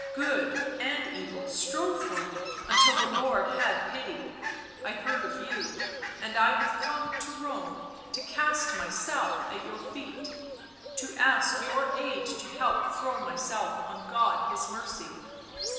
Good and evil strove for me, until the Lord had pity ... I heard of you, and I have come to Rome to cast myself at your feet, to ask your aid to help throw myself on God His mercy.